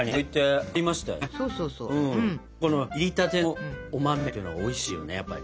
この炒りたてのお豆というのがおいしいよねやっぱり。